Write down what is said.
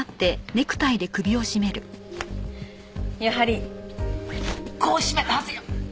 やはりこう絞めたはずよ。